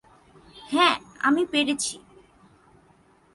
হ্যাঁ, আমি পেরেছি।